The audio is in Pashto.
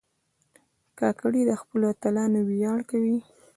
کاکړي د خپلو اتلانو ویاړ کوي.